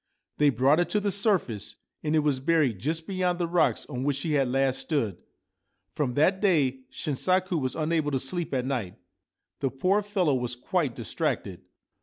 They brought it to the surface, and it was buried just beyond the rocks on which she had last stood. From that day Shinsaku was unable to sleep at night. The poor fellow was quite distracted.